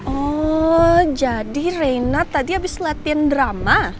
oh jadi reina tadi habis latihan drama